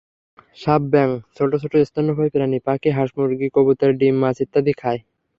সাপ, ব্যাঙ, ছোট ছোট স্তন্যপায়ী প্রাণী, পাখি, হাঁস-মুরগি-কবুতর, ডিম, মাছ ইত্যাদি খায়।